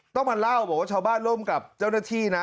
ต้องมาเล่าบอกว่าชาวบ้านร่วมกับเจ้าหน้าที่นะ